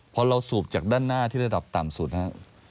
พอเราสูบจากด้านหน้าที่ระดับต่ำสุดนะครับ